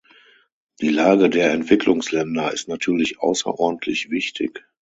Die Lage der Entwicklungsländer ist natürlich außerordentlich wichtig.